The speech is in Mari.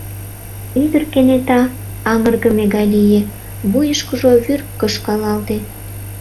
Ӱдыр кенета аҥыргыме гай лие — вуйышкыжо вӱр кышкалалте.